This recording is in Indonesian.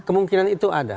kemungkinan itu ada